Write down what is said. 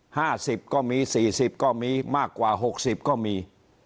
ห้าสิบก็มีสี่สิบก็มีมากกว่าหกสิบก็มี